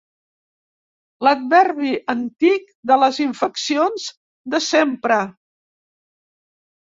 L'adverbi antic de les infeccions de sempre.